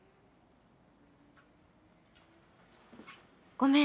「ごめん。